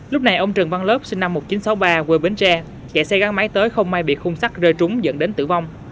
lúc này ông trần văn lớp sinh năm một nghìn chín trăm sáu mươi ba quê bến tre chạy xe gắn máy tới không may bị khung sắt rơi trúng dẫn đến tử vong